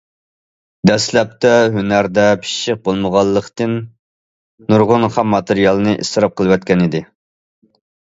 دەسلەپتە ھۈنەردە پىششىق بولمىغانلىقتىن نۇرغۇن خام ماتېرىيالنى ئىسراپ قىلىۋەتكەنىدى.